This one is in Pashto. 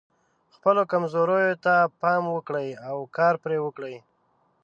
خپلو کمزوریو ته پام وکړئ او کار پرې وکړئ.